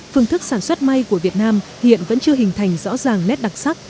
phương thức sản xuất may của việt nam hiện vẫn chưa hình thành rõ ràng nét đặc sắc